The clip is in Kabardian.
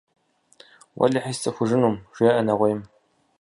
– Уэлэхьи сцӀыхужынум, – жеӀэ нэгъуейм.